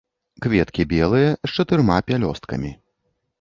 Кветкі белыя, з чатырма пялёсткамі.